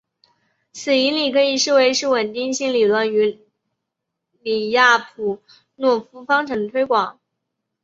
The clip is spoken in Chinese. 此引理可以视为是稳定性理论李亚普诺夫方程的推广。